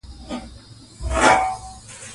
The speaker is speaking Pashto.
جګړه د انسانانو ترمنځ یوازې د تباهۍ پیغام رسوي.